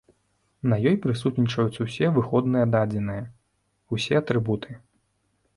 На ёй прысутнічаюць усе выходныя дадзеныя, усе атрыбуты.